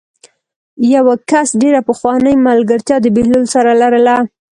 یوه کس ډېره پخوانۍ ملګرتیا د بهلول سره لرله.